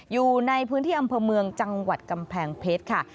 อยู่ในพื้นที่อำเภอเมืองจังหวัดกำแพงเพชรค่ะ